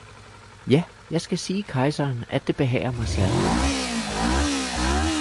Ja, jeg skal sige kejseren, at det behager mig særdeles